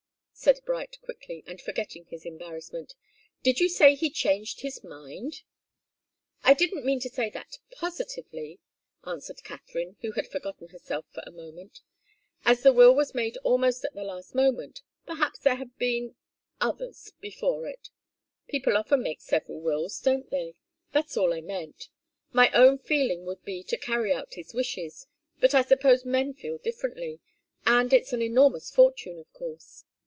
said Bright, quickly, and forgetting his embarrassment. "Did you say he changed his mind?" "I didn't mean to say that, positively," answered Katharine, who had forgotten herself for a moment. "As the will was made almost at the last moment, perhaps there had been others, before it. People often make several wills, don't they? That's all I meant. My own feeling would be to carry out his wishes. But I suppose men feel differently and it's an enormous fortune, of course.